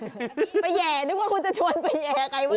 ไปแย่นึกว่าคุณจะชวนไปแย่ไข่มดแดง